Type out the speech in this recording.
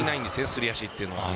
すり足というのは。